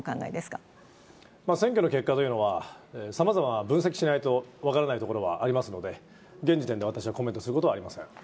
選挙の結果というのは、さまざまな分析をしないと分からないところはありますので、現時点で、私はコメントすることはありません。